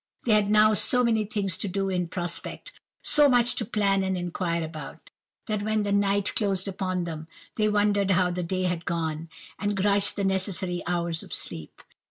They had now so many things to do in prospect, so much to plan and inquire about, that when the night closed upon them, they wondered how the day had gone, and grudged the necessary hours of sleep.